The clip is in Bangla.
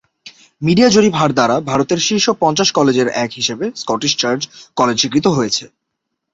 মিডিয়া জরিপ হার দ্বারা ভারতের শীর্ষ পঞ্চাশ কলেজ এর এক হিসাবে স্কটিশ চার্চ কলেজ স্বীকৃত হয়েছে।